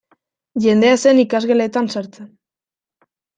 Jendea ez zen ikasgeletan sartzen.